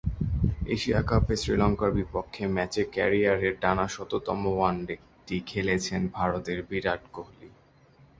Asia কাপে শ্রীলঙ্কার বিপক্ষে ম্যাচে ক্যারিয়ারের টানা শততম ওয়ানডেটি খেলেছেন ভারতের বিরাট কোহলি।